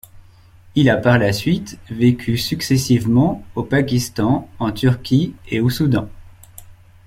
Il a par la suite vécu successivement au Pakistan, en Turquie et au Soudan.